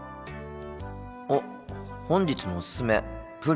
おっ本日のおすすめプリン。